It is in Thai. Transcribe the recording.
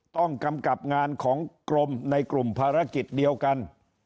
กำกับงานของกรมในกลุ่มภารกิจเดียวกัน